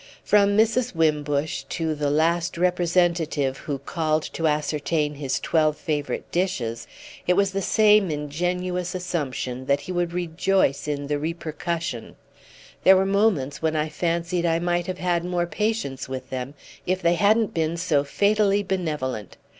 From Mrs. Wimbush to the last "representative" who called to ascertain his twelve favourite dishes, it was the same ingenuous assumption that he would rejoice in the repercussion. There were moments when I fancied I might have had more patience with them if they hadn't been so fatally benevolent.